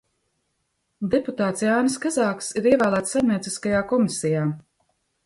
Deputāts Jānis Kazāks ir ievēlēts Saimnieciskajā komisijā.